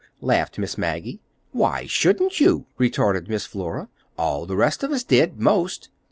laughed Miss Maggie. "Why shouldn't you?" retorted Miss Flora. "All the rest of us did, 'most."